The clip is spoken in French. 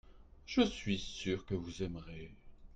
je suis sûr que vous aimerez.